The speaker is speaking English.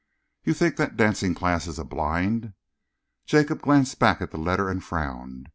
"You think that the dancing class is a blind?" Jacob glanced back at the letter and frowned.